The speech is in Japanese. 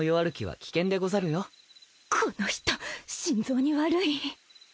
この人心臓に悪い